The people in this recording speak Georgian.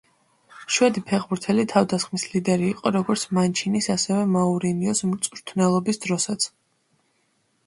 შვედი ფეხბურთელი თავდასხმის ლიდერი იყო როგორც მანჩინის, ასევე მაურინიოს მწვრთნელობის დროსაც.